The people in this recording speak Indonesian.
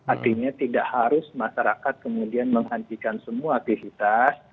artinya tidak harus masyarakat kemudian menghentikan semua aktivitas